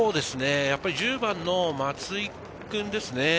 １０番の松井君ですね。